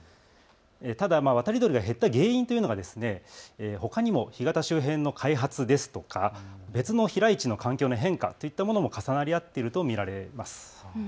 ただ渡り鳥が減った原因というのがほかにも干潟周辺の開発ですとか別の飛来地の環境の変化といったものも重なり合っていると見られます。